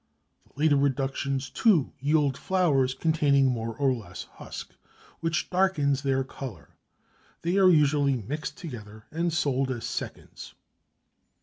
The later reductions too yield flours containing more or less husk, which darkens their colour. They are usually mixed together and sold as seconds.